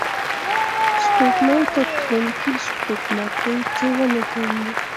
سپوږمۍ ته تلونکي سپوږمکۍ څېړنې کوي